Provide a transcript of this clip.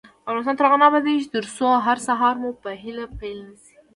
افغانستان تر هغو نه ابادیږي، ترڅو هر سهار مو په هیله پیل نشي.